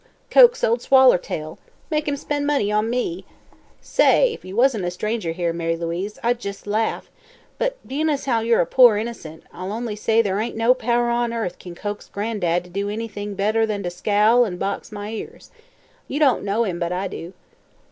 Coax Ol' Swallertail? Make him spend money on me! Say, if ye wasn't a stranger here, Mary Louise, I'd jes' laugh; but bein' as how yer a poor innercent, I'll only say ther' ain't no power on earth kin coax Gran'dad to do anything better than to scowl an' box my ears. You don't know him, but I do."